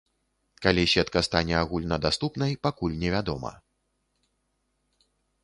Калі сетка стане агульнадаступнай пакуль невядома.